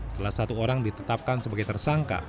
setelah satu orang ditetapkan sebagai tersangka